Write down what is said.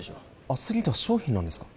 アスリートは商品なんですか？